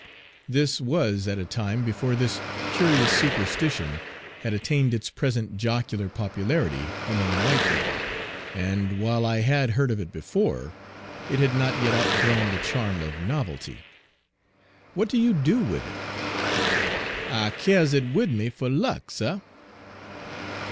This was at a time before this curious superstition had attained its present jocular popularity among white people, and while I had heard of it before, it had not yet outgrown the charm of novelty. "What do you do with it?" "I kyars it wid me fer luck, suh."